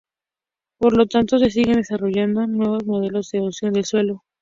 Por lo tanto, se siguen desarrollando nuevos modelos de erosión del suelo.